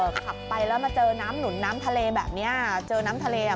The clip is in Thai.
ขับไปแล้วมาเจอน้ำหนุนน้ำทะเลแบบเนี้ยเจอน้ำทะเลอ่ะ